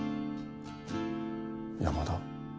山田。